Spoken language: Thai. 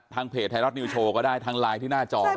ทางเพจไทยรอดนิวโชว์ก็ได้ทางไลน์ที่หน้าจอก็ได้